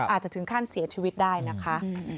อาจจะถึงขั้นเสียชีวิตได้นะคะ